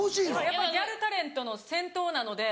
やっぱりギャルタレントの先頭なので。